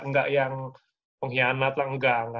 nggak yang pengkhianat lah enggak